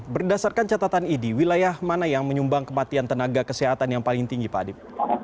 berdasarkan catatan idi wilayah mana yang menyumbang kematian tenaga kesehatan yang paling tinggi pak adib